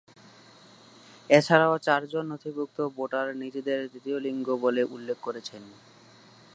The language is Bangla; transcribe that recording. এছাড়াও চারজন নথিভূক্ত ভোটার নিজেদের তৃতীয় লিঙ্গ বলে উল্লেখ করেছেন।